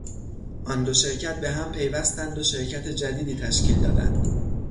آن دو شرکت به هم پیوستند و شرکت جدیدی تشکیل دادند.